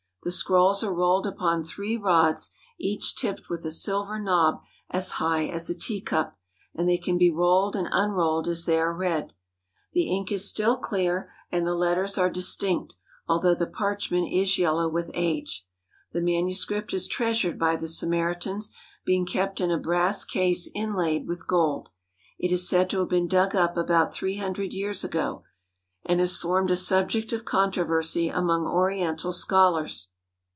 The scrolls are rolled upon three rods each tipped with a silver knob as big as a teacup, and they can be rolled and unrolled as they are read. The ink is still clear and the letters are distinct although the parchment is yellow with age. The manuscript is treasured by the Samaritans, being kept in a brass case inlaid with gold. It is said to have been dug up about three hundred years ago, and has formed a subject of controversy among oriental scholars.